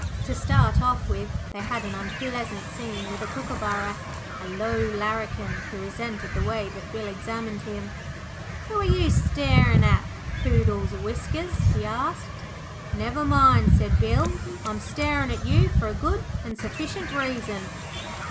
To start off with, they had an unpleasant scene with a Kookaburra, a low larrikin who resented the way that Bill examined him. 'Who are you starin' at, Poodle's Whiskers?' he asked. 'Never mind,' said Bill. 'I'm starin' at you for a good an' sufficient reason.'